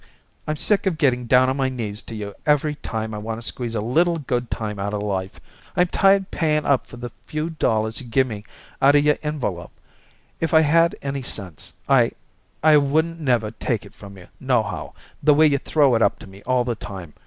I'm sick of getting down on my knees to you every time I wanna squeeze a little good time out of life. I'm tired paying up for the few dollars you gimme out of your envelop. If I had any sense I I wouldn't never take it from you, nohow, the way you throw it up to me all the time.